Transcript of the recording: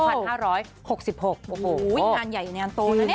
อ๋อพันห้าร้อยหกสิบหกโอ้โหอุ้ยงานใหญ่อันนี้อันโตน่ะเนี้ย